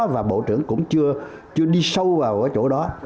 và bộ trưởng cũng chưa đi sâu vào ở chỗ đó